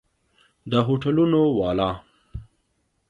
د هوټلونو والا!